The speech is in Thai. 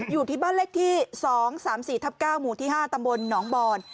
อยู่ที่บ้านเลขที่สองสามสี่ทับเก้าหมู่ที่ห้าตำกลหนองบร